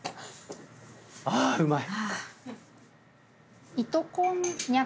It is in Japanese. あうまい！